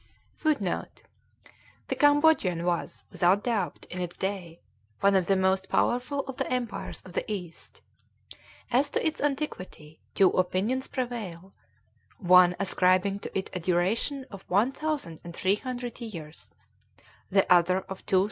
[Footnote: The Cambodian was, without doubt, in its day, one of the most powerful of the empires of the East. As to its antiquity, two opinions prevail, one ascribing to it a duration of 1,300 years, the other of 2,400.